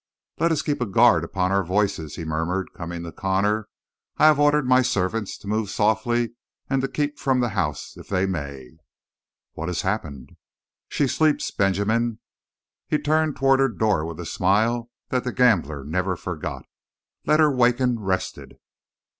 "Let us keep a guard upon our voices," he murmured, coming to Connor. "I have ordered my servants to move softly and to keep from the house if they may." "What's happened?" "She sleeps, Benjamin." He turned toward her door with a smile that the gambler never forgot. "Let her waken rested."